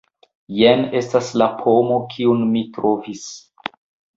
Jen estas la pomo, kiun mi trovis.